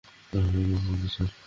কারণ আপনি অন্ধ স্যার।